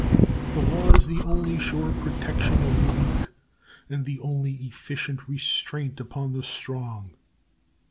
The law is the only sure protection of the weak and the only efficient restraint upon the strong.